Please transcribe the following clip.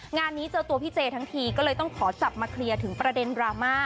งานนี้เจอตัวพี่เจทั้งทีก็เลยต้องขอจับมาเคลียร์ถึงประเด็นดราม่า